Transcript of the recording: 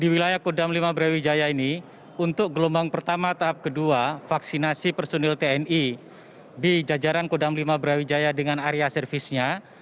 di wilayah kodam lima brawijaya ini untuk gelombang pertama tahap kedua vaksinasi personil tni di jajaran kodam lima brawijaya dengan area servisnya